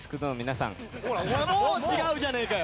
もう違うじゃねえかよ！